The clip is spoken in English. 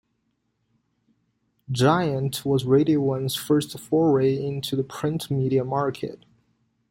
"Giant" was Radio One's first foray into the print media market.